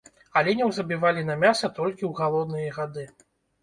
Аленяў забівалі на мяса толькі ў галодныя гады.